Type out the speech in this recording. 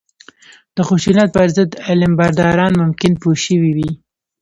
د خشونت پر ضد علمبرداران ممکن پوه شوي وي